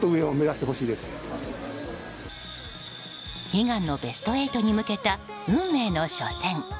悲願のベスト８に向けた運命の初戦。